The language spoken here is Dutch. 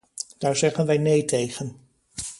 Daar zeggen wij nee tegen.